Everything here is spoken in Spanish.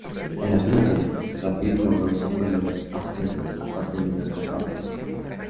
En las filas del Rapid logró cinco Ligas austriacas, aparte de una Copa Mitropa.